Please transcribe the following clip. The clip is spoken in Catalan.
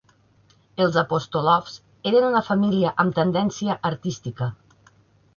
Els Apostolofs eren una família amb tendència artística.